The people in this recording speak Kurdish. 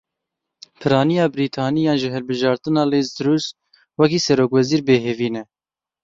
Piraniya Brîtaniyan ji hilbijartina Liz Truss wekî serokwezîr bêhêvî ne.